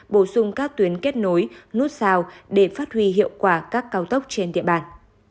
bổ sung các tuyến kết nối nút sao để phát huy hiệu quả các cao tốc trên địa bàn